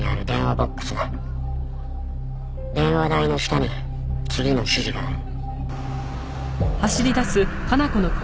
「電話台の下に次の指示がある」